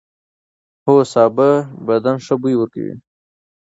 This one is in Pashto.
هو، سابه بدن ښه بوی ورکوي.